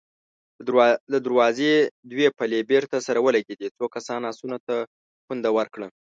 د دروازې دوې پلې بېرته سره ولګېدې، څو کسانو آسونو ته پونده ورکړه.